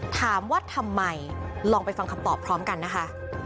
ถามว่าทำไมลองไปฟังคำตอบพร้อมกันนะคะ